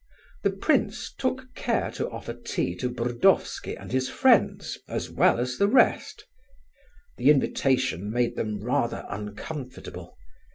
The prince took care to offer tea to Burdovsky and his friends as well as the rest. The invitation made them rather uncomfortable.